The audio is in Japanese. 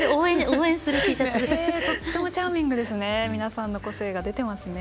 とってもチャーミングで個性出てますね。